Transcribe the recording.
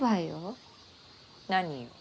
何よ？